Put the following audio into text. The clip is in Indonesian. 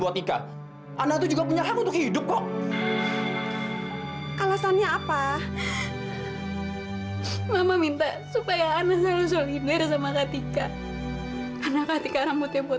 untuk penopang hidup tika